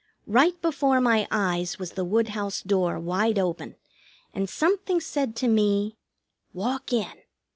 Right before my eyes was the woodhouse door wide open, and something said to me: "Walk in."